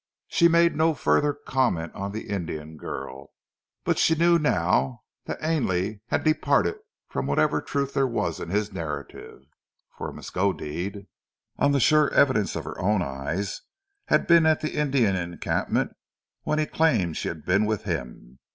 She made no further comment on the Indian girl, but she knew now that Ainley had departed from whatever truth there was in his narrative, for Miskodeed, on the sure evidence of her own eyes had been at the Indian encampment when he claimed she had been with him.